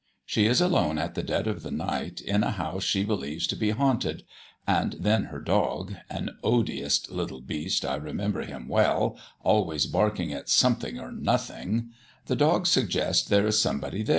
She is alone at the dead of night in a house she believes to be haunted; and then her dog an odious little beast, I remember him well, always barking at something or nothing; the dog suggests there is somebody near.